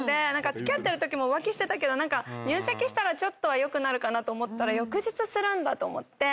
付き合ってるときも浮気してたけど入籍したら良くなるかなと思ったら翌日するんだと思って。